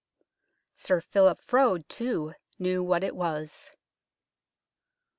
Sir Philip Frowde, too, knew what it was.